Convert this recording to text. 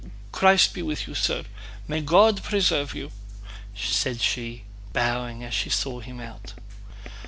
"Christ be with you, sir! May God preserve you!" said she, bowing as she saw him out.